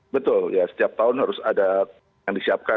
betul ya setiap tahun harus ada yang disiapkan